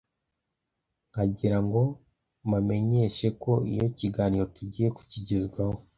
Nka ngira ngo mamenyeshe ko iyo kiganiro tugiye kukigezwaho